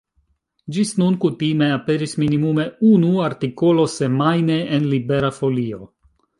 Ĝis nun kutime aperis minimume unu artikolo semajne en Libera Folio.